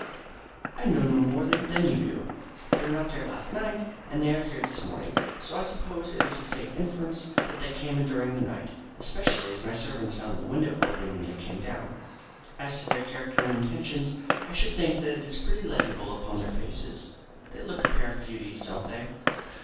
"I know no more than you do. They were not there last night, and they are here this morning, so I suppose it is a safe inference that they came in during the night, especially as my servants found the window open when they came down. As to their character and intentions, I should think that is pretty legible upon their faces. They look a pair of beauties, don't they?"